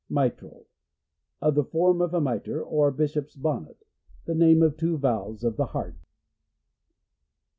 Mitral — Of the form of a mitre, or bishop's bonnet. The name of two valves of the heart.